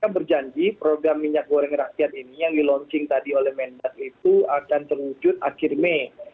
berjanji program minyak goreng rakyat ini yang di launching tadi oleh mendak itu akan terwujud akhir mei